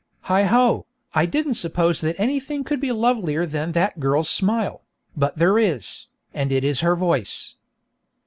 Heigho! I didn't suppose that anything could be lovelier than that girl's smile, but there is, and it is her voice.